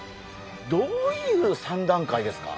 どういう３段階ですか？